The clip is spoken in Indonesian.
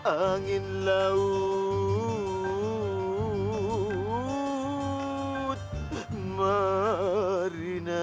angin laut merina